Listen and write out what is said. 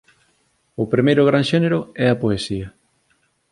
O primeiro gran xénero é a poesía